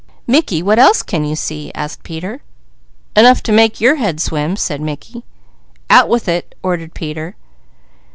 "Mickey, what else can you see?" asked Peter. "Enough to make your head swim," said Mickey. "Out with it!" ordered Peter.